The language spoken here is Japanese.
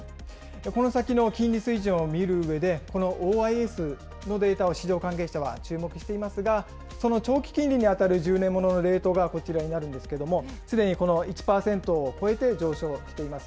この先の金利水準を見るうえで、このＯＩＳのデータを市場関係者は注目していますが、その長期金利に当たる１０年もののレートがこちらになるんですけれども、すでにこの１％を超えて上昇しています。